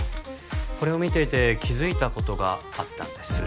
これを見ていて気づいたことがあったんです